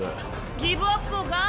ギブアップをか？